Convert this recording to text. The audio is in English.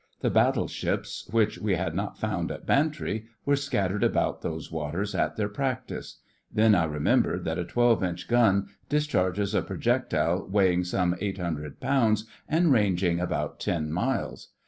The battleships which we had not found at Bantry were scattered about those waters at their practice. Then I remembered that a twelve inch gun discharges a projectile weighing some 800lb. and ranging about ten miles.